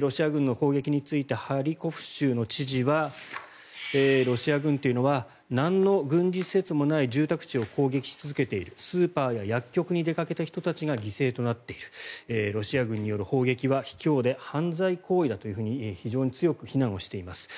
ロシア軍の攻撃についてハリコフ州の知事はロシア軍というのはなんの軍事施設もない住宅地を攻撃し続けているスーパーや薬局に出かけた人たちが犠牲になっているロシア軍による砲撃は卑怯で犯罪行為だと非常に強く非難をしています。